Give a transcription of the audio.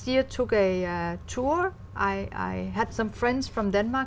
và chúng ta có một số khó khăn